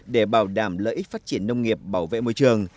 để bảo đảm lợi ích phát triển nông nghiệp bảo vệ môi trường